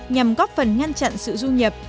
nhằm góp phần ngăn chặn sự du nhập